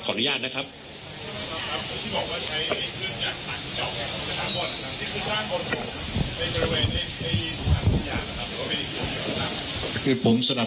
อนุญาตนะครับ